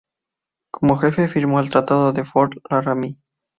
Como jefe firmó el tratado de "Fort Laramie".